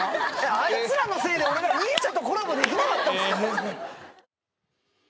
あいつらのせいで俺らＭＩＳＩＡとコラボできなかったんすかね。